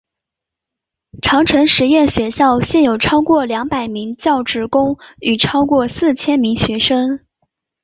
长城实验学校现有超过两百名教职工与超过四千名学生。